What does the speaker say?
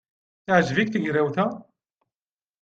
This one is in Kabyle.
Teɛjeb-ik tegrawt-a?